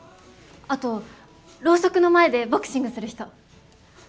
あとロウソクの前でボクシングする人！